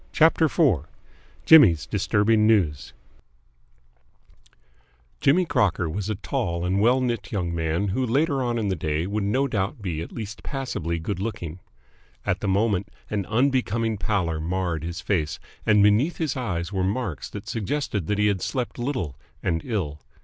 CHAPTER IV JIMMY'S DISTURBING NEWS Jimmy Crocker was a tall and well knit young man who later on in the day would no doubt be at least passably good looking. At the moment an unbecoming pallor marred his face, and beneath his eyes were marks that suggested that he had slept little and ill.